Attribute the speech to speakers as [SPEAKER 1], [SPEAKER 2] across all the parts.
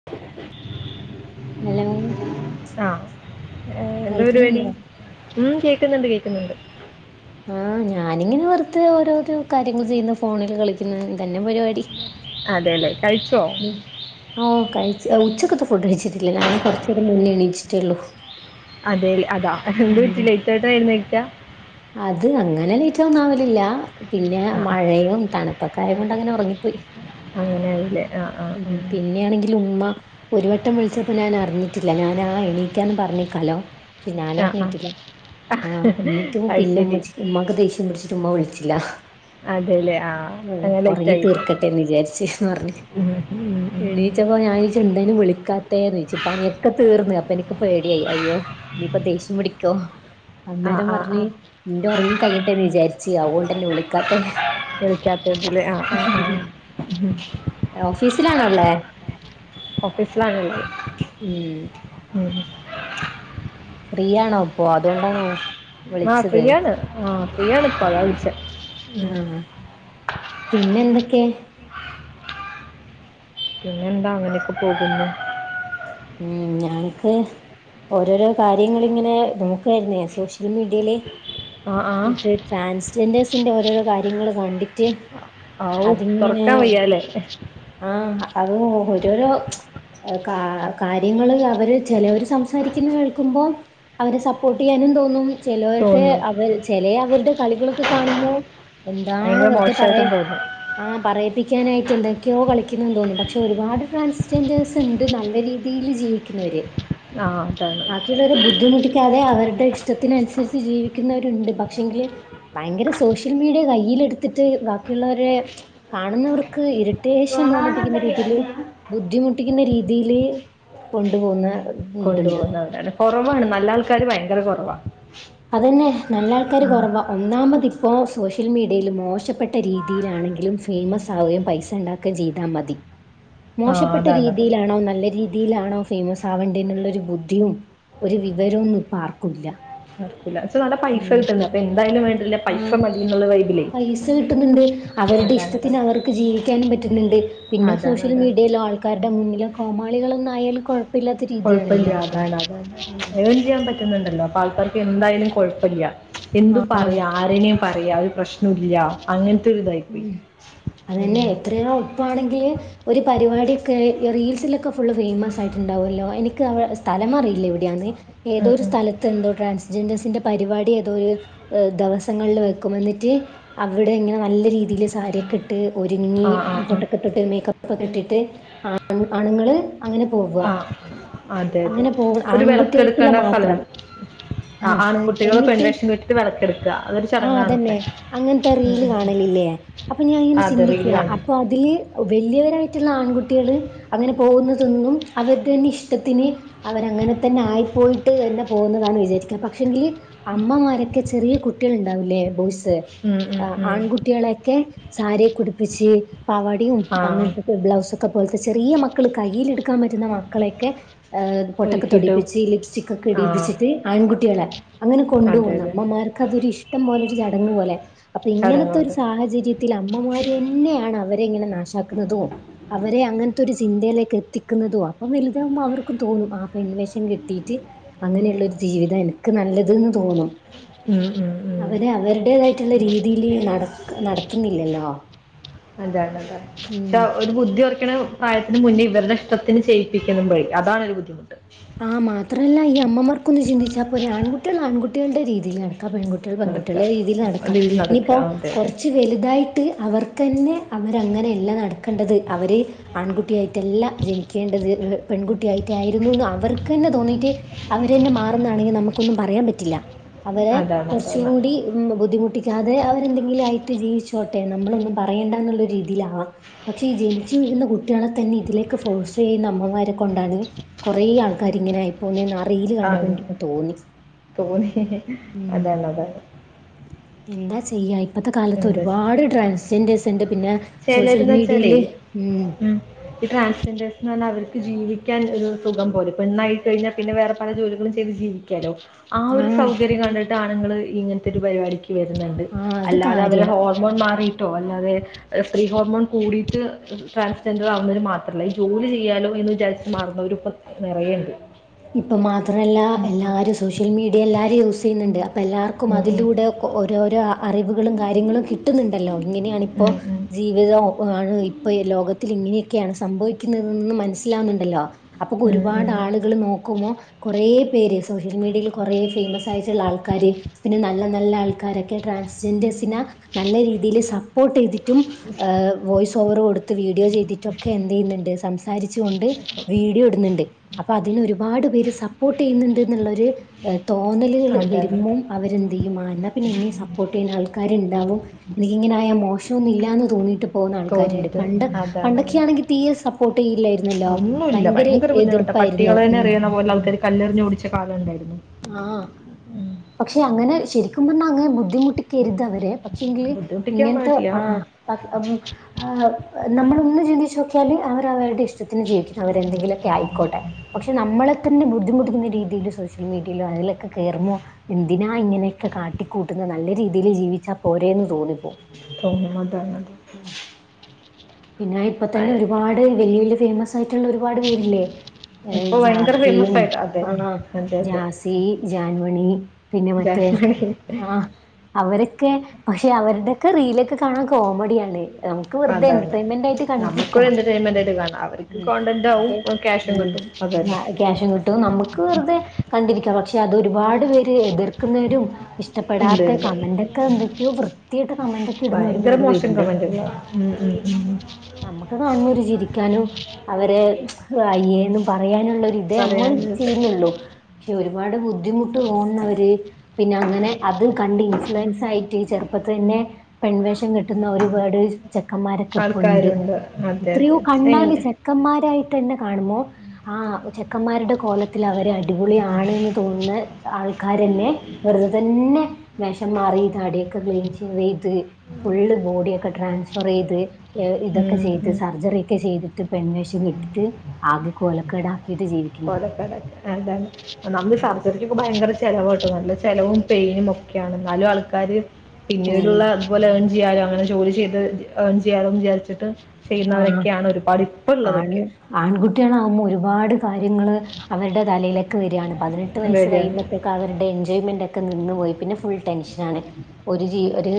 [SPEAKER 1] [unintelligible]
[SPEAKER 2] Hello
[SPEAKER 1] ആ എന്താ പരുപാടി
[SPEAKER 2] കേൾക്കുന്നുണ്ടോ
[SPEAKER 1] ഉം കേക്ക്ന്നുണ്ട് കേക്ക്ന്നുണ്ട്
[SPEAKER 2] ആ ഞാനിങ്ങനെ വെർതെ ഓരോരോ കാര്യങ്ങൾ ചെയ്യുന്ന് ഫോണിൽ കളിക്ക്ന്ന് ഇതന്നെ പരിപാടി
[SPEAKER 1] അതെല്ലെ കഴിച്ചോ
[SPEAKER 2] ഓ കഴിച്ച ഉച്ചക്കത്തെ ഫുഡ് കഴിച്ചിട്ടില്ല ഞാൻ കൊർചേരാം മുന്നേ എണീച്ചിട്ടുള്ളൂ
[SPEAKER 1] അതെൽ അതാ എന്ത് പറ്റി ലേറ്റായ്ട്ടയിട്ടാ എഴ്ന്നെക്ക
[SPEAKER 2] അത് അങ്ങനെ ലേറ്റൊന്നാവലില്ല പിന്നെ
[SPEAKER 1] ആ
[SPEAKER 2] മഴയും തണുപ്പ പ്പക്കായംകൊണ്ട് അങ്ങനെ ഒറങ്ങിപ്പോയി
[SPEAKER 1] അങ്ങനെയാവുംലേ
[SPEAKER 2] ഉം പിന്നെയാണെങ്കിൽ ഉമ്മ ഒരുവട്ടം വിൾച്ചപ്പോ ഞാൻ അറിഞ്ഞിറ്റില്ല ഞാൻ ആ എണീക്കാന്ന് പറഞ്ഞിക്കാലോ പക്ഷെ
[SPEAKER 1] ആ ആ
[SPEAKER 2] ഞാനറിഞ്ഞിറ്റില്ല ആഹ എന്നിട്ടും
[SPEAKER 1] അത് ശരി
[SPEAKER 2] പിന്നുമ്മച്ചി ഉമ്മാക്ക് ദേഷ്യംപിട്ച്ചിട്ട് ഉമ്മ വിൾച്ചില്ല
[SPEAKER 1] അതെല്ലേ ആ
[SPEAKER 2] ആഹ്
[SPEAKER 1] അങ്ങനെ ലേറ്റ്
[SPEAKER 2] ഒർങ്ങി
[SPEAKER 1] ആയില്ലേ
[SPEAKER 2] തീർക്കട്ടെന്ന് വിചാരിച്ച്ന്ന് പർഞ്
[SPEAKER 1] ഉം ഉം ഉം.
[SPEAKER 2] എണീച്ചപ്പോ ഞാൻ ചോയ്ച്ച് എന്തേനും വിളിക്കാതേന്ന് ചോയ്ച് പണിയൊക്കെ തീർന്ന് അപ്പൊ എനിക്ക് പേടിയായി അയ്യോ ഇനിയിപ്പൊ ദേഷ്യം പിടിക്കോ
[SPEAKER 1] ആ
[SPEAKER 2] അന്നേരം
[SPEAKER 1] ആ ആ
[SPEAKER 2] പറഞ്ഞ് ഇന്റെ ഒർങ്ങി കയ്യെ ട്ടെന്ന് വിചാര്ച്ച് അവോണ്ടന്നെ വിളിക്കാത്തെ
[SPEAKER 1] ആഹ് ആഹ് ആഹ്
[SPEAKER 2] ഓഫീസിലാണോ ഇള്ളെ
[SPEAKER 1] ഓഫീസിലാണ് ള്ളത്
[SPEAKER 2] ഉം ഫ്രീ ആണോ അപ്പോ അതുകൊണ്ടാണോ
[SPEAKER 1] ആഹ്
[SPEAKER 2] വിളിച്ചത്
[SPEAKER 1] ഫ്രീയാണ് ആഹ് ഫ്രീയാണ് ഇപ്പ അതാ
[SPEAKER 2] ഉം
[SPEAKER 1] വിളിച്ച ഉം
[SPEAKER 2] ആഹ് പിന്നെ എന്തൊക്കെ
[SPEAKER 1] പിന്നെ ന്താ അങ്ങനെയൊക്കെ പോകുന്നു
[SPEAKER 2] ഉം ഞാനക്ക് ഓരോരോ കാര്യങ്ങള ഇങ്ങനെ നോ ക്കായിരുന്ന സോഷ്യൽ മീഡിയയില്
[SPEAKER 1] ആ ആ
[SPEAKER 2] ഇത് ട്രാൻസ്ജെൻഡേഴ്സിന്റെ ഓരോരോ കാര്യങ്ങള്ൾ കണ്ടിട്ട്
[SPEAKER 1] ഔ
[SPEAKER 2] അതിങ്ങനെ
[SPEAKER 1] തുറക്കാൻ വയ്യാലേ
[SPEAKER 2] ആഹ് അത് ഓരോരോ കാ കാര്യങ്ങള് അവര് ചിലവര് സംസാരിക്കുന്ന കേൾക്കുമ്പോം അവരെ സപ്പോർട്ട് ചെയ്യാനും തോന്നും ചിലവരുടെ
[SPEAKER 1] തോന്നും
[SPEAKER 2] അവർ ചെല അവരുടെ കളികളൊക്കെ കാണുമ്പോൾ എന്താണ്
[SPEAKER 1] ഭയങ്കര
[SPEAKER 2] വെറുതെ പറയ
[SPEAKER 1] മോശമായിട്ടും തോന്നും
[SPEAKER 2] ആഹ പറയപ്പിക്കാനായിട്ട് എന്തൊക്കെയോ കളിക്കുന്നുണ്ടോ ന്ന് തോന്നുന്നു പക്ഷെ ഒരുപാട് ട്രാൻസ്ജെൻഡേഴ്സ് ഉണ്ട് നല്ല രീതി രീയില് ജീവിക്കുന്നവര്
[SPEAKER 1] ആഹ് അതാണ്
[SPEAKER 2] ഇരെ ബുദ്ധിമുട്ടിക്കാതെ അവരുടെ ഇഷ്ടത്തിനനുസരിച്ച് ജീവിക്കുന്നവരുണ്ട് പക്ഷെങ്കില് ഭയങ്കര സോഷ്യൽ മീഡിയ കയ്യിലെടുത്തിട്ട് ബാക്കിയുള്ളവരെ കാണുന്നവർക്ക് ഇരു അത്യാവശ്യം
[SPEAKER 1] റൊണാൾഡോ
[SPEAKER 2] തോന്നിപ്പിക്കുന്ന
[SPEAKER 1] എന്താ
[SPEAKER 2] രീതിൽ
[SPEAKER 1] ഇറങ്ങിയാണ്
[SPEAKER 2] ബുദ്ധിമുട്ടിക്കുന്ന രീതിയില് കൊണ്ടുപോകുന്ന
[SPEAKER 1] കൊണ്ടു
[SPEAKER 2] ഇതുണ്ട്
[SPEAKER 1] പോകുന്നവര കൊറവാണ് നല്ല ആൾക്കാാര് ഭയങ്കര കുറവാണ്
[SPEAKER 2] അതന്നെ നല്ല ആൾക്കാര് കുറവാ ഒന്നാമതി ഇപ്പോൾ സോഷ്യൽ മീഡിയയിൽ മോശപ്പെട്ട രീതിയിലാണെങ്കിലും ഫേമസ് ആവുകയും പൈസ ഉണ്ടാ ക്കെ ചെയ്താൽ മതി
[SPEAKER 1] [unintelligible]
[SPEAKER 2] മോശപ്പെട്ട
[SPEAKER 1] അതാണത്
[SPEAKER 2] രീതിയിലാണോ നല്ല രീതിയിലാണോ ഫേമസ് ആവേണ്ടേ എന്നുള്ള ഒരു ബുദ്ധിയും ഒരു വിവരവും ഒന്നും ആർക്കുല്ല
[SPEAKER 1] നാ പൈസ
[SPEAKER 2] ഉം
[SPEAKER 1] കിട്ടുന്നത് അപ്പൊ എന്തായാലും വേണ്ടില്ല പൈസ
[SPEAKER 2] ആഹ്
[SPEAKER 1] മതിള്ള വൈബിലേ
[SPEAKER 2] പൈസ കിട്ടുന്നുണ്ട് അവരുടെ
[SPEAKER 1] അതാണത്
[SPEAKER 2] ഇഷ്ടത്തിന് അവർക്ക് ജീവിക്കാനും പറ്റുന്നുണ്ട് പിന്നെ
[SPEAKER 1] അതാണ്
[SPEAKER 2] സോഷ്യൽ
[SPEAKER 1] അതാണ്
[SPEAKER 2] മീഡിയൽ ആൾക്ക ആൾക്കാരുടെ മുന്നിലെ കോമാളികളൊന്നായാൽ-
[SPEAKER 1] കൊഴപ്പല്ല അതാണ് അതാണ്
[SPEAKER 2] ഉം
[SPEAKER 1] അഹ് ചെയൻ പറ്റണ്ടല്ലോ അപ്പൊ ആൾക്കാർക്ക് എന്തായാലും കുഴപ്പല്ല
[SPEAKER 2] ആ
[SPEAKER 1] എന്തും പറയാ ആരെയും പറയാ ഒരു പ്രശ്നൊല്ലാ അങ്ങനത്തെ ഒരു ഇതായി പോയി ഉം
[SPEAKER 2] ത്രീയോപ്പ് അപ്പോ ആണെങ്കിൽ ഒരു പരിപാടിയൊക്കെ റീൽസിലൊക്കെ ഫുള്ള് ഫേയിമസ് ആയിട്ട്ണ്ടാവുമല്ലോ എനിക്ക് സ്ഥലം അറിയില്ല എവിടെയാണ്
[SPEAKER 1] ഉം,
[SPEAKER 2] ഏതൊരു
[SPEAKER 1] ഉം.
[SPEAKER 2] സ്ഥലത്ത് എന്തോ ട്രാൻസ്ജെൻഡേഴ്സിന്റെ പരിപാടി ഏതോരു ദിവസങ്ങളിൽ വെക്കും എന്നിട്ട് അവിടെ ഇങ്ങനെ നല്ല രീതിൽ സാരിയൊക്കെ ഇട്ട് ഒരുങ്ങി
[SPEAKER 1] ആ ആ ആ
[SPEAKER 2] പൊട്ട ട്ട് മേക്കപ്പക്കെ കെട്ടിട്ട് ആണുങ്ങൾ അങ്ങനെ പോവുക
[SPEAKER 1] ആഹ് അതെ അതെ
[SPEAKER 2] അങ്ങനെ പോ
[SPEAKER 1] ഒരു വിളക്കെ
[SPEAKER 2] ആൺകുട്ടികൾക്കുള്ള
[SPEAKER 1] ടുക്കണ്ട
[SPEAKER 2] മാത്രം
[SPEAKER 1] സ്ഥലാണ് ആഹ്
[SPEAKER 2] ആ
[SPEAKER 1] ആൺകുട്ടികള്
[SPEAKER 2] എന്നിട്ട്
[SPEAKER 1] പെൺവേഷം കെട്ടിട്ട് വിളക്കെടുക്കുക അതൊരു
[SPEAKER 2] ആഹ്
[SPEAKER 1] ചടങ്ങാണ് ഇപ്പേ
[SPEAKER 2] അതന്നെ അങ്ങനത്തെ
[SPEAKER 1] ഉം
[SPEAKER 2] റീല്
[SPEAKER 1] ഉം ഉം
[SPEAKER 2] കാണലില്ലേ അപ്പൊ ഞാനങ്ങെ
[SPEAKER 1] ആ, അതെ
[SPEAKER 2] ചിന്തിക്ക
[SPEAKER 1] റീൽ കാണും
[SPEAKER 2] അപ്പ അതില് വലിയവരായിട്ടുള്ള ആൺകുട്ടികൾ അങ്ങനെ പോകുന്നതൊന്നും അവർക്ക് തന്നെ ഇഷ ടത്തിന് അവര അങ്ങനെ തന്നെ ആയിപ്പോയിട്ട് തന്നെ പോകുന്നതാണ് വിചാരിക്ക പക്ഷെങ്കില് അമ്മമാരൊക്കെ ചെറിയ കുട്ടികൾ ഉണ്ടാവൂലേ ബ
[SPEAKER 1] ഉം, ഉം, ഉം.
[SPEAKER 2] ആൺകുട്ടികളെൊക്കെ സാരിയ കുടിപ്പിച്ച് പാവാടിയും
[SPEAKER 1] ആ
[SPEAKER 2] അങ്ങനത്തെ ബ്ലൗസ് ഒക്കെ പോലത്തെ ചെറിയ മക്കള് കയ്യില എടുക്കാൻ പറ്റുന്ന മക്കളെയൊക്കെ ഏഹ്‌ പൊട്ടൊക്കെ
[SPEAKER 1] ഒരുക്കിയിട്ട്
[SPEAKER 2] തോടിപ്പിച്ച് ലിപ്സ്റ്റിക് ഒക്കെ
[SPEAKER 1] ആ
[SPEAKER 2] ഇടിപ്പിച്ചിട്ട് ആൺകുട്ടികളെ അങ്ങനെ
[SPEAKER 1] അതെ
[SPEAKER 2] കൊണ്ടുപോകുന്നു
[SPEAKER 1] അതെ
[SPEAKER 2] അമ്മമാർക്ക് അതൊരു ഇഷ്ടം പോലെ ഒരു ചടങ്ങ് പോലെ അപ്പൊ ഇങ്ങനത്തെ ഒരു
[SPEAKER 1] ചടങ്ങുണ്ട്
[SPEAKER 2] സാഹചര്യ ൽ അമ്മമാര് തന്നെയാണ് അവരെങ്ങനെ നാശാക്കുന്നതും അവരെ അങ്ങനത്തെ ഒരു ചിന്തയിലേക്ക് എത്തിക്കുന്നതും അപ്പം വലുതാവുമ്പ അവർ നമ്മക്കു തോന്നും ആ പെൺവേഷം കെട്ടിയിട്ട് അങ്ങനെയുള്ളൊരു ജീവിതം എനിക്ക് നല്ലത് തോന്നും.
[SPEAKER 1] ഉം, ഉം, ഉം.
[SPEAKER 2] അവര് അവരുടേതായിട്ടുള്ള രീതിയില് നട നടത്തുന്നില്ലല്ലോ-
[SPEAKER 1] അതാണ് അതാണ് പക്ഷേ
[SPEAKER 2] ഉം
[SPEAKER 1] ഒരു ബുദ്ധി- പ്രായത്തിന് മുന്നേ ഇവരുടെ നഷ്ടത്തിന് ചെയ്യിപ്പിക്കുമ്പോ അതാണ് ഒരു ബുദ്ധിമുട്ട്.
[SPEAKER 2] ആ മാത്രല്ല ഈ അമ്മമാർക്കൊന്ന് ചിന്തിച്ചാൽ പോരെ ആൺകുട്ടികൾ ആൺകുട്ടികളുടെ രീതിയില് നടക്കുവാ പെൺകുട്ടികൾ- പെൺകുട്ടികൾ
[SPEAKER 1] നടക്കുക
[SPEAKER 2] പെൺകുട്ടികളുടെ രീതിയിൽ നടക്കാം
[SPEAKER 1] അതിൽ നടക്കുക
[SPEAKER 2] ഇനിയിപ്പോ
[SPEAKER 1] ആ, അതെ അതെ
[SPEAKER 2] കുറച്ച്- വലുതായിട്ട് അവർക്ക് തന്നെ അവര് അങ്ങനെയല്ല നടക്കേണ്ടത് അവര്- ആൺകുട്ടിയായിട്ടല്ല ജനിക്കേണ്ടത് പെൺകുട്ടിയായിട്ടായിരുന്നു. അവർക്ക് തന്നെ തോന്നിയിട്ട് അവര് തന്നെ മാറുന്നാണെങ്കിൽ നമുക്കൊന്നും പറയാൻ പറ്റില്ല. അവരെ
[SPEAKER 1] അതാണ് അതാണ്
[SPEAKER 2] കുറച്ചുകൂടി- ബുദ്ധിമുട്ടിക്കാതെ അവരെന്തെങ്കിലും ആയിട്ട് ജീവിച്ചോട്ടെ നമ്മളൊന്നും പറയണ്ടന്നുള്ള ഒരു രീതിയിലാവാ- പക്ഷേ ഈ ജനിച്ചു വരുന്ന കുട്ടികളെ തന്നെ ഇതിലേക്ക് ഫോഴ്സ് ചെയ്യുന്ന അമ്മമാരെ കൊണ്ടാണ് കുറെ പോകും. കരിങ്ങിനെയായി- പോന്നന്ന് അറിയിൽ കണ്ടപ്പോ
[SPEAKER 1] ആ,
[SPEAKER 2] എനിക്കന്ന് തോന്നി
[SPEAKER 1] തോന്നി
[SPEAKER 2] ഉം
[SPEAKER 1] അതാണ് അതാണ്
[SPEAKER 2] [unintelligible] എന്താ ചെയ്യാ ഇപ്പോഴത്തെ കാലത്ത്
[SPEAKER 1] എന്താ
[SPEAKER 2] ഒരുപാട് ട്രാൻസ്ജെൻറേഴസ് ഉണ്ട് പിന്നെ-
[SPEAKER 1] ചിലവരെ
[SPEAKER 2] സോഷ്യൽ
[SPEAKER 1] എന്നുവച്ചാലേ
[SPEAKER 2] മീഡിയയില്
[SPEAKER 1] ഉം- ഈ ട്രാൻസ്ജെൻഡേഴ്സിന് ഒന്നും അവർ ജീവിക്കാൻ ഒരു സുഖം പോലെ പെണ്ണായിട്ട് കഴിഞ്ഞാ പിന്നെ വേറെ പല ജോലികളും ചെയ്ത് ജീവിക്കും. ക്കല്ലോ ആഹ്‌ ഒരു
[SPEAKER 2] ആഹ്
[SPEAKER 1] സൗകര്യം കണ്ടിട്ട് ആണുങ്ങൾ ഇങ്ങനത്തെ ഒരു പരിപാടിക്ക് വരുന്നുണ്ട്
[SPEAKER 2] ആഹ് അത്
[SPEAKER 1] അല്ലാതെ അവരെ-
[SPEAKER 2] കാര്യാ
[SPEAKER 1] ടോൺ മാറിയിട്ടോ അല്ലാതെ- സ്ത്രീ ഹോർമോൺ കൂടിയിട്ട് ട്രാൻസ്ജെൻഡർ ആവുന്നവർ മാത്രമല്ല ഈ ജോലി ചെയ്യാലോ എന്ന് വിചാരിച്ച് മാറുന്നവരും- അത് നിറയെയുണ്ട്.
[SPEAKER 2] ഇപ്പോ മാത്രല്ല എല്ലാവരും സോഷ്യൽ മീഡിയ എല്ലാരും യൂസ് ചെയ്യുന്നുണ്ട്. എല്ലാവർക്കും
[SPEAKER 1] ഉം, ഉം.
[SPEAKER 2] അതിലൂടെ ഓരോരോ അറിവുകളും കാര്യങ്ങളും കിട്ടു- കിട്ടുന്നുണ്ടല്ലോ ഇങ്ങനെയാണ് ഇപ്പോ
[SPEAKER 1] ഉം, ഉം.
[SPEAKER 2] ജീവിതം ആണ് ഇപ്പോ ലോകത്തില് ഇങ്ങനെ- ക്യയാണ് സംഭവിക്കുന്നത് മനസിലാവുന്നുണ്ടല്ലോ അപ്പോ
[SPEAKER 1] ഉം,
[SPEAKER 2] ഒരുപാട്
[SPEAKER 1] ഉം.
[SPEAKER 2] ആളുകള് നോക്കി മ്പോ കൊറേ പേര് സോഷ്യൽ മീഡിയയിൽ കൊറേ ഫേമസ് ആയിട്ടുള്ള ആൾക്കാര് പിന്നെ നല്ല നല്ല ആൾക്കാരൊക്കെ ട്രാൻസ്ജെൻഡേഴ്സിന നല്ല രീതിയില് സപ്പോർട്ട് ചെയ്തിട്ടും വോയ്സ് ഓവറ് കൊടുത്ത് വീഡിയോ ചെയ്തിട്ടൊക്കെ എന്ത് ചെയ്യുന്നുണ്ട് സംസാരിച്ചു കൊണ്ട് വീഡിയോ ഇടുന്നിണ്ട് അപ്പോ അതിനൊരു ഒരുപാട് പേര് സപ്പോർട്ട് ചെയ്യുന്നുണ്ട് എന്നുള്ളൊര് തോന്നലുകള്
[SPEAKER 1] അതാണ്
[SPEAKER 2] വെരുമ്പോ
[SPEAKER 1] അതാണ്
[SPEAKER 2] അവരെ എന്നാ പിന്നെ എന്നെയും സപ്പോർട്ട് ചെയ്യുന്ന ആൾക്കാരിണ്ടാവും എനിക്ക് ഇങ്ങനെ ആയ മോശം ഒന്നും ഇല്ലാന്ന് തോന്നിട്ട് പോവുന്ന ആൾക്കാരിണ്ട്
[SPEAKER 1] തോന്നിയിട്ട്
[SPEAKER 2] പണ്ട്
[SPEAKER 1] അതാണ്
[SPEAKER 2] പണ്ടൊക്കെ
[SPEAKER 1] അതിന്
[SPEAKER 2] ആണെങ്കി തീരെ സപ്പോട്ട് ചെയ്ല്ലായിരുന്നല്ലോ ഭയങ്കര എതിർ
[SPEAKER 1] പട്ടികളെന്നെ എറിയുന്ന പോലെ ആൾക്കാര് കല്ലെറിഞ്ഞ് ഓടിച്ച കാലം ഇണ്ടായിരുന്നു
[SPEAKER 2] ആഹ് പക്ഷേ അങ്ങനെ ശരിക്കും പറഞ്ഞാ അങ്ങനെ ബുദ്ധിമുട്ടിക്കരുത് അവരെ പക്ഷേങ്കില്
[SPEAKER 1] ബുദ്ധിമുട്ടിക്കാൻ
[SPEAKER 2] ഇങ്ങനത്തെ
[SPEAKER 1] പാടില്ല ഉം.
[SPEAKER 2] ആഹ് [unintelligible] ആഹ് നമ്മള് ഒന്ന് ചിന്തിച്ച് നോക്കിയാല് അവര് അവരടെ ഇഷ്ടത്തിന് ജീവിക്കുന്ന് അവരെന്തെങ്കിലു ഒക്കെ ആയിക്കൊട്ടെ പക്ഷേ നമ്മളെ തന്നെ ബുദ്ധിമുട്ടിക്കുന്ന രീതിയില് സോഷ്യൽ മീഡിയയിലോ അതിലൊക്കെ കെറുമോ എന്തിനാ ഇങ്ങനെയൊക്കെ കാട്ടിക്കൂട്ടുന്നെ നല്ല രീതിയില് ജീവിച്ചാ പോരെയെന്ന് തോന്നിപ്പോം
[SPEAKER 1] [unintelligible]
[SPEAKER 2] മ് പിന്നാ ഇപ്പോ തന്നെ
[SPEAKER 1] ആ-
[SPEAKER 2] ഒരുപാട് വല്യയ വല്യയ ഫേമസായിട്ടുള്ള ഒരുപാട് പേരില്ലേ ഏയ്
[SPEAKER 1] ഇപ്പൊ ഭയങ്കര
[SPEAKER 2] ജാസിയും
[SPEAKER 1] ഫേമസ് ആയിട്ട് അതെ
[SPEAKER 2] ആ
[SPEAKER 1] അതെ അതെ
[SPEAKER 2] ജാസി ജാൻമണി പിന്നെ മറ്റേ
[SPEAKER 1] ജാസ്മിനി
[SPEAKER 2] ആഹ് അവരൊക്കെ പക്ഷേ അവരുടെയൊക്കെ റീലൊക്കെ കാണാൻ കോമഡിയാണ് നമു
[SPEAKER 1] അതാണ് നമുക്കു എന്റർടെമെന്റ് ആയിട്ട് കാണാം അവര്ക്ക്
[SPEAKER 2] ഉം
[SPEAKER 1] കോണ്ടെന്റ് ആവും
[SPEAKER 2] പക്ഷെ
[SPEAKER 1] ക്യാഷും
[SPEAKER 2] ഉം
[SPEAKER 1] കിട്ടും അത് തന്നെ
[SPEAKER 2] ആഹ് ക്യാഷും കിട്ടും നമുക്ക് വെറുതെ കണ്ടിരിക്കാം പക്ഷേ അത് ഒരുപാട് പേര് എതിർക്കുന്നവരും
[SPEAKER 1] ഉണ്ട്
[SPEAKER 2] ഇഷ്ടപ്പെടാത്ത
[SPEAKER 1] ഉണ്ട്
[SPEAKER 2] കമന്റൊക്കെ എന്തൊക്കെയോ വൃത്തികെട്ട കമന്റൊക്കെ ഇടുന്ന ഒരുപാട് പേരുണ്ട്
[SPEAKER 1] ഉം ഉം ഉം
[SPEAKER 2] നമ്മക്ക് കുണുമ്പോ ഒരു ചിരിക്കാനും അവരെ അയ്യേ എന്ന് പറയാനുള്ളോര് ഇതേ നമ്മള്
[SPEAKER 1] പറയാനുള്ളത്
[SPEAKER 2] ചെയ്യിന്നുള്ളൂ ക്ഷെ ഒരുപാട് ബുദ്ധിമു ട്ട് തോന്നവര് പിന്നെ അങ്ങനെ അത് കണ്ടി മൻസായിട്ട് ചെറുപ്പത്ത് തന്നെ പെൺവേഷം കെട്ടുന്ന ഒരുപാട് ചെക്കന്മാരൊക്കെ ഇപ്പൊണ്ട്
[SPEAKER 1] ആൾക്കാരുണ്ട് അതെ
[SPEAKER 2] എത്രയോ
[SPEAKER 1] അതെ
[SPEAKER 2] കണ്ടാല്
[SPEAKER 1] എങ്ങനെ
[SPEAKER 2] ചെ ക്കന്മാരായിട്ട് തന്നെ കാണുമോ? ആ ചെക്കന്മാരുടെ കോല ത്തില് അവരെ അടിപൊളിയാണെന്ന് തോനുന്ന ആൾ ക്കാര്ന്നെ വെറുതെ തന്നെ വേഷം മാറി താടിയൊക്കെ ക്ലീൻ ചെയ്ത് ഫുള്ള് ബോഡിയെക്കെ ട്രാൻഫറ് ചെയ്ത് ഇതൊക്കെ
[SPEAKER 1] ഉം
[SPEAKER 2] ചെയ്ത്
[SPEAKER 1] ഉം
[SPEAKER 2] സർജറിയൊക്കെ ചെയ്തിട്ട് പെൺവേഷം ഇട്ടിട്ട് ആകെ കോലക്കേടാക്കിയിട്ട് ജീവി
[SPEAKER 1] [unintelligible] അതാണ് നമ്മള്
[SPEAKER 2] ഉം
[SPEAKER 1] സർജറി ഇത് ഇപ്പം ഭയങ്കര ചെലവാട്ടോ നല്ല ചെലവും പെയിനും ഒക്കെയാണ് എന്നാലും ആൾക്കാര് പിന്നീടുള്ള
[SPEAKER 2] ഉം
[SPEAKER 1] അതുപോലെ ഏൺ ചെയ്യാലും അങ്ങനെ ജോലി ചെയ്ത് ഏൺ ചെയ്യാലോന്ന് വിചരിച്ചിട്ട് ചെയ്യുന്നവരൊക്കെയാണ് ഒരുപാട് ഇപ്പം ഇള്ളതൊക്കെ
[SPEAKER 2] ആൺകുട്ടികളാമ്പോ ഒരുപാട് കാര്യങ്ങള് അവരടെ തലയിലേക്ക് വെരിയാണ് പതിനെട്ട് വയസ്
[SPEAKER 1] വരികയാണ്
[SPEAKER 2] കയിയുമ്പത്തേക്ക് അവരുടെ എൻജോയിമെന്റ് ഒക്കെ നിന്ന് പോയി പിന്നെ ഫുൾ ടെൻഷ നാണ് ഒരു ജി ഒരു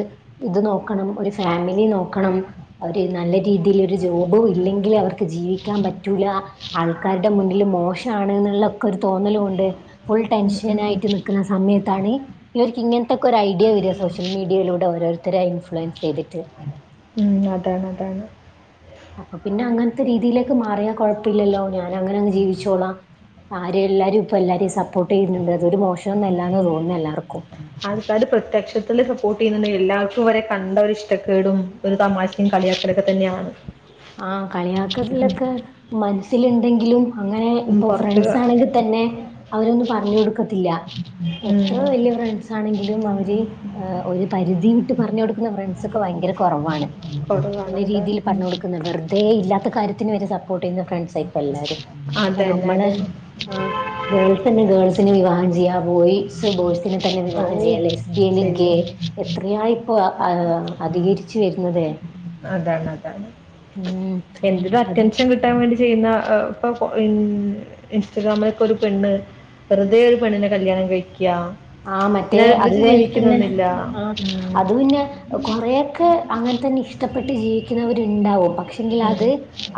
[SPEAKER 2] ഇത് നോക്കണം ഒര് ഫാമിലി നോക്കണം അവര് നല്ല രീതിയില് ഒര് ജോബും ഇല്ലെങ്കില് അവർക്ക് ജീവിക്കാൻ പറ്റൂല്ല ആൾക്കാരുടെ മുന്നില് മോശവാണ് എന്നുള്ളൊക്കെ ഒരു തോന്നല് കൊണ്ട് ഫുൾ
[SPEAKER 1] ഉം ഉം ഉം.
[SPEAKER 2] ടെൻഷനായിട്ട് നിൽക്കുന്ന സമയത്താണി ഇവർക്ക് ഇങ്ങനത്തെക്കൊരു ഐഡിയ വെര്യ സോഷ്യൽ മീഡിയയിലൂടെ ഓരോരുത്തരായി ഇൻഫ്ലുവൻസ് ചെയ്തിട്ട്
[SPEAKER 1] ഉം അതാണ് അതാണ്
[SPEAKER 2] അപ്പ പിന്നെ അങ്ങനത്തെ രീതിയിലേക്ക് മാറിയാ കൊഴപ്പയില്ലല്ലോ ഞാൻ അങ്ങനെ അങ്ങ് ജീവിച്ചോളാം ആര് എല്ലാരും ഇപ്പം എല്ലാരെയും സപ്പോർട്ട് ചെയ്യുന്നുണ്ട് അതൊരു മോശോന്നല്ലാന്ന തോനുന്നേ എല്ലാർക്കും
[SPEAKER 1] ആൾക്കാര് പ്രത്യക്ഷത്തില് സപ്പോർട്ട് ചെയ്യുന്നുണ്ട് എല്ലാവർക്കും ഇവരെ കണ്ടാ ഒരു ഇഷ്ടക്കേടും ഒരു തമാശേം കളിയാക്കലൊക്കെ തന്നെയാണ്.
[SPEAKER 2] ആ
[SPEAKER 1] ഉം.
[SPEAKER 2] കളിയാക്കലക്കെ മനസ്സിലുണ്ടെങ്കിലും അങ്ങനെ
[SPEAKER 1] ഉം,
[SPEAKER 2] ഇപ്പൊ
[SPEAKER 1] പുറത്ത്
[SPEAKER 2] ഫ്രണ്ട്സ് ആണെങ്കിൽ തന്നെ അവരൊന്നും പറഞ്ഞു കൊടുക്കത്തില്ല. എത്ര
[SPEAKER 1] ഉം,
[SPEAKER 2] വലിയ ഫ്രണ്ട്സ് ആണെങ്കിലും അവര് ഏ ഒരു പരിധി വിട്ട് പറഞ്ഞുകൊടുക്കുന്ന ഫ്രണ്ട്സ് ഒക്കെ ഭയങ്കര കുറവാണ്
[SPEAKER 1] കുറവാണ്
[SPEAKER 2] നല്ല
[SPEAKER 1] അതാണ്
[SPEAKER 2] രീതിൽ
[SPEAKER 1] ഉം.
[SPEAKER 2] പറഞ്ഞോടുക്കുന്നത് വെറുതെ ഇല്ലാത്ത കാര്യത്തിന് വരെ സപ്പോർട്ട് ചെയ്യുന്ന ഫ്രണ്ട് സാ ഇപ്പ എല്ലാരും ഇപ്പ
[SPEAKER 1] അതന്നെ
[SPEAKER 2] നമ്മള്
[SPEAKER 1] അതന്നെ
[SPEAKER 2] ആഹ് ഗേൾസ് തന്നെ ഗേൾസിനെ വിവാഹം ചെയ്യാം ബോയ്സ് ബോയ്സിനെ തന്നെ
[SPEAKER 1] ഓ
[SPEAKER 2] വിവാഹം ചെയ്യാം അല്ലേ ലസ് ബിയെന് ഗെ
[SPEAKER 1] ചെയ്യും
[SPEAKER 2] എത്രയായി ഇപ്പൊ ആ അധികരിച്ചു വരുന്നതേ.
[SPEAKER 1] അതാണ് അതാണ്.
[SPEAKER 2] ഉം
[SPEAKER 1] എന്ത് ഒരു
[SPEAKER 2] അത്
[SPEAKER 1] അറ്റൻഷൻ കിട്ടാൻ വേണ്ടി ചെയ്യുന്ന ഇപ്പൊ പൊ ഇൻ ഇൻസ്റ്റഗ്രാമിലൊക്കെ ഒരു പെണ്ണ് വെറുതെ ഒരു പെണ്ണിനെ കല്യാണം കഴിക്യാ
[SPEAKER 2] ആ മറ്റേ അതുപോലെ തന്നെ ആ
[SPEAKER 1] ഉം,
[SPEAKER 2] അത് പിന്നെ കൊറഓക്കെ അങ്ങനെ തന്നെ ഇഷ്ടപ്പെട്ട് ജീവിക്കുന്നവരുണ്ടാവും പക്ഷെ എങ്കിൽ
[SPEAKER 1] ഉം,
[SPEAKER 2] അത്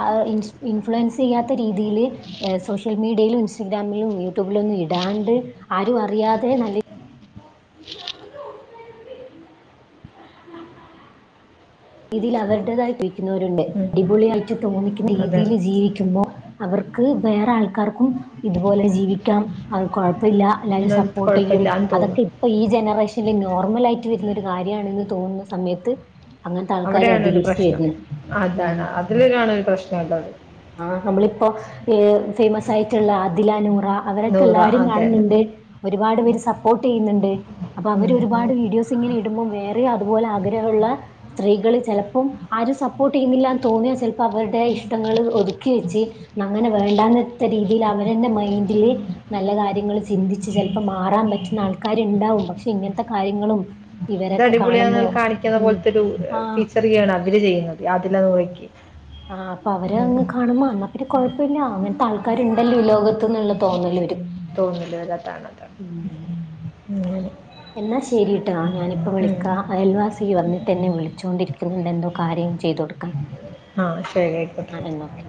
[SPEAKER 2] അത് ഇൻസ്‌ ഇൻഫ്ലുവൻസ് ചെയ്യാത്ത രീതില് ഏ സോഷ്യൽ മീഡിയലും, ഇൻസ്റ്റാഗ്രാമിലും, യൂട്യൂബിലൊന്നും, ഇടാണ്ട് ആരും അറിയാതെ നല്ലേ രീതിൽ അവരുടേതായി ജീക്കുന്നരുണ്ട്
[SPEAKER 1] ഉം.
[SPEAKER 2] അടിപൊളിയായിട്ട് തോന്നിക്കുന്ന രീതിൽ
[SPEAKER 1] അതാണ്
[SPEAKER 2] ജീവിക്കുമ്പോ അവർക്ക് വേറെ ആൾക്കാർക്കും ഇതുപോലെ ജീവിക്കാം അത് കുഴപ്പില്ല എല്ലാരും
[SPEAKER 1] എന്താ
[SPEAKER 2] സപ്പോർട്ട് ചെയ്യും
[SPEAKER 1] കുഴപ്പമില്ലാന്ന് തോന്നുന്നു
[SPEAKER 2] അതൊക്കെ ഇപ്പൊ ഈ ജനറേഷനിൽ നോർമൽ ആയിട്ട് വരുന്ന ഒരു കാര്യണെന്ന് തോന്ന സമയത്ത് അങ്ങനത്തെ ആൾക്കാർ
[SPEAKER 1] അവിടെയാണ് ഒരു
[SPEAKER 2] അധികരിച്ചു
[SPEAKER 1] പ്രശ്നം
[SPEAKER 2] വരുന്നു
[SPEAKER 1] അതാണ് അതിലുടാണ് ഒരു പ്രശ്നം ഉള്ളത്.
[SPEAKER 2] ആ നമ്മളിപ്പോ പെ ഫേമസ് ആയിട്ടുള്ള അദില നൂറ അവരൊക്കെ
[SPEAKER 1] നൂറ
[SPEAKER 2] എല്ലാരും
[SPEAKER 1] അതാണ്
[SPEAKER 2] കാണുന്നുണ്ട് ഒരുപാട് പേര് സപ്പോർട്ട് ചെയ്യുന്ന്ണ്ട് അപ്പ അവര്
[SPEAKER 1] ഉം, ഉം.
[SPEAKER 2] ഒരുപാട് വീഡിയോസ് [unintelligible] ഇടുമ്പോം വേറെ അതുപോലെ ആഗ്രഹള്ള സ്ത്രീകള് ചെലപ്പം ആരും സപ്പോർട്ട് ചെയ്യുന്നില്ലാന്ന് തോന്നിയാ ചിലപ്പ അവര്ടെ ഇഷ്ടങ്ങള് ഒതുക്കി വെച്ച് നങ്ങനെ വേണ്ടാന്നത്തെ രീതിലവരന്നെ മൈന്റില് നല്ല കാര്യങ്ങള്ചിന്തിച്ച് ചെലപ്പം മാറാൻ പറ്റുന്ന ആൾക്കാര്ണ്ടാവും പക്ഷേ ഇങ്ങൻത്തെ കാര്യങ്ങളും
[SPEAKER 1] ഇത്
[SPEAKER 2] ഇവരൊക്കെ
[SPEAKER 1] അടിപൊളിയാ
[SPEAKER 2] കാണുമ്പോ
[SPEAKER 1] ന്ന്കാണിക്കുന്നത്
[SPEAKER 2] ഉം
[SPEAKER 1] പോൽതൊരു
[SPEAKER 2] ആഹ്
[SPEAKER 1] ഫീച്ചർക്യയാണ് അവര് ചെയ്യുന്നത് അതില്ലാ [unintelligible]
[SPEAKER 2] ആഹ് അപ്പ അവര് അങ്ങ് കാണ് മ്മ അന്നാ പിന്ന കൊയ്പ്പില്ല അങ്ങൻ താൾക്കാര്ണ്ടല്ല ഇലോകത്ത്ന്നുള്ള തോന്നല് വരും
[SPEAKER 1] തോന്നില്ല വരാത്താണ് അതാണ്
[SPEAKER 2] ഉം
[SPEAKER 1] ഉം ങ്ങനെ
[SPEAKER 2] എന്നാ ശെരിട്ടാ ഞാനിപ്പ വിളിക്കാ അയൽവാസി വന്നിട്ട് എന്നെ വിളിച്ചോണ്ടിരിക്കാ ക്ക്ന്നെന്തോ കാര്യം ചെയ്തു കൊടുക്കാൻ
[SPEAKER 1] ആഹ് ശരി അയിക്കോട്ടെ
[SPEAKER 2] ആഹ് എന്നാ ഓക്കെ